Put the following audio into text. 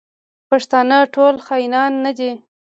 پښتانه ټول خاینان نه دي.